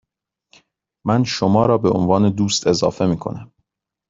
من شما را به عنوان دوست اضافه می کنم.